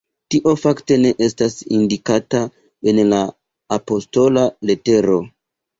Tio fakte ne estas indikata en la apostola letero”.